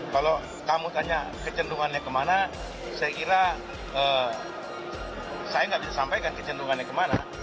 kalau kamu tanya kecenderungannya kemana saya kira saya nggak bisa sampaikan kecenderungannya kemana